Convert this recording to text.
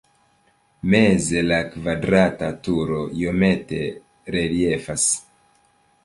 Meze la kvadrata turo iomete reliefas.